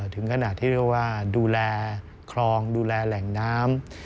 ถึงขนาดที่เรียกว่าดูแลคลองดูแลแหล่งน้ำ